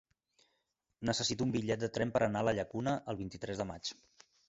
Necessito un bitllet de tren per anar a la Llacuna el vint-i-tres de maig.